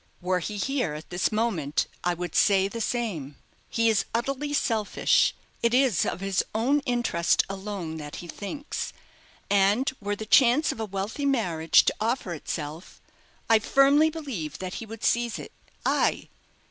Were he here at this moment, I would say the same. He is utterly selfish it is of his own interest alone that he thinks; and were the chance of a wealthy marriage to offer itself, I firmly believe that he would seize it ay!